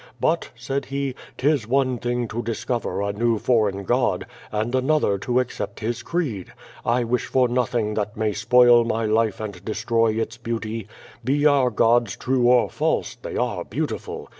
*But/ said he, ' 'tis one thing to discover a new foreign God, and another to accept his creed. I wish for nothing that may spoil my life and destroy its beauty. Be our gods true or false, they are beautiful.